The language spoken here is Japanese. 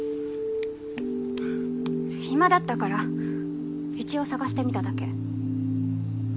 はぁ暇だったから一応捜してみただけ。